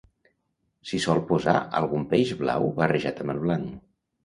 s'hi sol posar algun peix blau barrejat amb el blanc